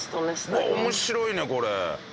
面白いねこれ。